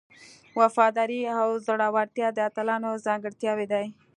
وفاداري او زړورتیا د اتلانو ځانګړتیاوې دي.